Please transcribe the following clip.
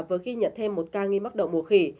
với ghi nhận thêm một ca nghi mắc động mùa khỉ